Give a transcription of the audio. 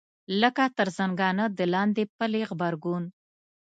لکه تر زنګانه د لاندې پلې غبرګون.